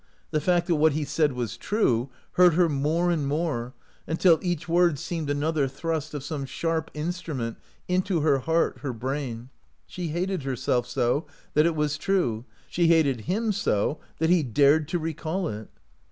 The fact that what he said was true hurt her more and more, until each word seemed another thrust of some sharp instru ment into her heart, her brain. She hated herself so, that it was true ; she hated him so, that he dared to recall it.